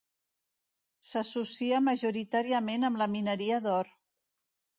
S'associa majoritàriament amb la mineria d'or.